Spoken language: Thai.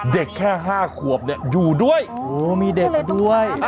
เด็กแค่๕ขวบเนี่ย